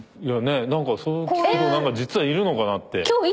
いやねえなんかそう聞くと実はいるのかなって。